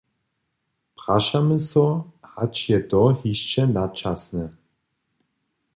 Prašamy so, hač je to hišće načasne.